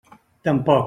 Tampoc.